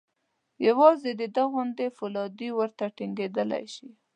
یوازې د ده غوندې فولادي ورته ټینګېدای شي.